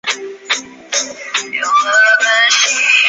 伪证罪在刑法属于重罪。